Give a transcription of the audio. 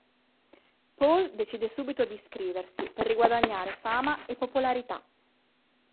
Paul decide subito di iscriversi per riguadagnare fama e popolarità.